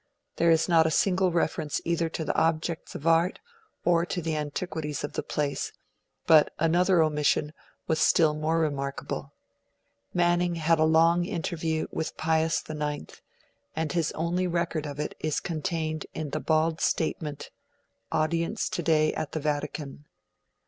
There is not a single reference either to the objects of art or to the antiquities of the place; but another omission was still more remarkable. Manning had a long interview with Pius IX, and his only record of it is contained in the bald statement: 'Audience today at the Vatican'.